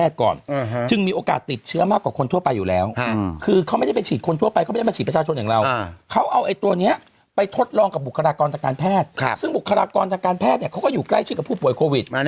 ซึ่งบุคลากรทางการแพทย์เนี่ยเขาก็อยู่ใกล้ชิ้นกับผู้ป่วยโควิด